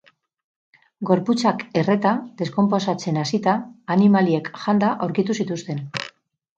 Gorputzak erreta, deskonposatzen hasita, animaliek janda... aurkitu zituzten.